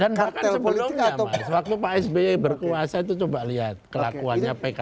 dan bahkan sebelumnya mas waktu pak sby berkuasa itu coba lihat kelakuannya pki